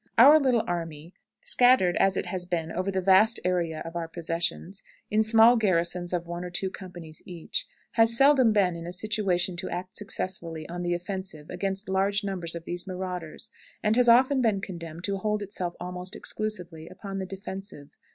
Our little army, scattered as it has been over the vast area of our possessions, in small garrisons of one or two companies each, has seldom been in a situation to act successfully on the offensive against large numbers of these marauders, and has often been condemned to hold itself almost exclusively upon the defensive.